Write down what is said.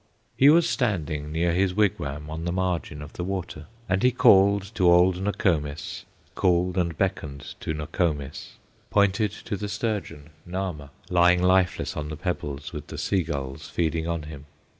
He was standing near his wigwam, On the margin of the water, And he called to old Nokomis, Called and beckoned to Nokomis, Pointed to the sturgeon, Nahma, Lying lifeless on the pebbles, With the sea gulls feeding on him.